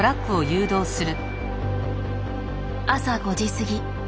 朝５時すぎ。